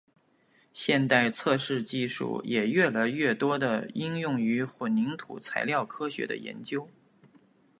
现代测试技术也越来越多地应用于混凝土材料科学的研究。